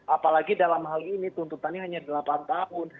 apalagi dalam hal ini tuntutannya hanya delapan tahun